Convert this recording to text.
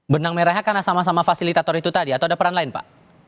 benang merahnya karena sama sama fasilitator itu tadi atau ada peran lain pak